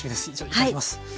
いただきます。